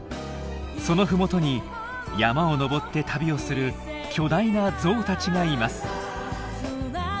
そのふもとに山を登って旅をする巨大なゾウたちがいます。